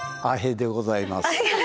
アヘでございます。